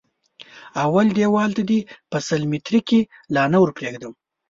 اول دېوال ته دې په سل ميتري کې لا نه ور پرېږدي.